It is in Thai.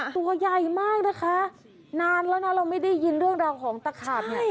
ตัวใหญ่มากนะคะนานแล้วนะเราไม่ได้ยินเรื่องราวของตะขาบเนี่ย